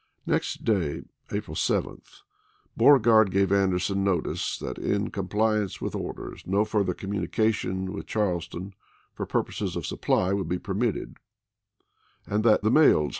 Next day, April 7, Beanregard gave Anderson notice that, in compliance with orders, no further communication with Charleston for purposes of gard^tJ^An supply would be permitted, and that "the mails, Aprii7?